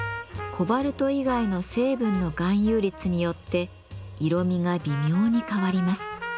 コバルト以外の成分の含有率によって色みが微妙に変わります。